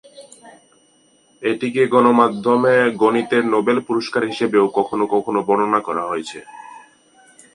এটিকে গণমাধ্যমে গণিতের নোবেল পুরস্কার হিসেবেও কখনও কখনও বর্ণনা করা হয়েছে।